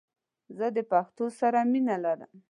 زه د پښتو سره مینه لرم🇦🇫❤️